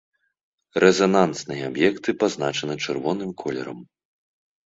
Рэзанансныя аб'екты пазначаны чырвоным колерам.